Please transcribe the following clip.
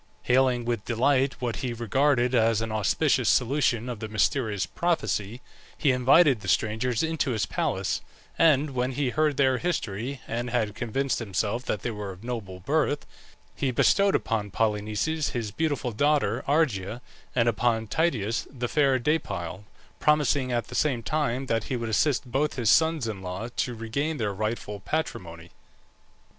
Hailing with delight what he regarded as an auspicious solution of the mysterious prophecy, he invited the strangers into his palace; and when he heard their history, and had convinced himself that they were of noble birth, he bestowed upon Polynices his beautiful daughter Argia, and upon Tydeus the fair Deipyle, promising at the same time that he would assist both his sons in law to regain their rightful patrimony.